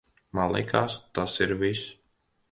Man likās, tas ir viss.